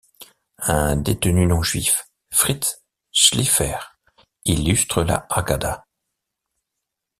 Un détenu non-Juif, Frietz Schliefer, illustre la Haggadah.